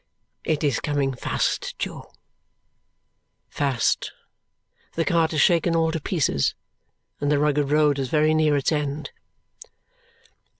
"It is coming fast, Jo." Fast. The cart is shaken all to pieces, and the rugged road is very near its end.